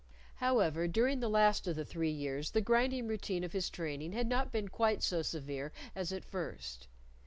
However, during the last of the three years the grinding routine of his training had not been quite so severe as at first.